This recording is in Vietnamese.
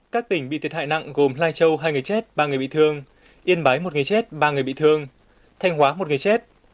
các tỉnh bị thiệt hại nặng gồm lai châu hai người chết ba người bị thương yên bái một người chết ba người bị thương thanh hóa một người chết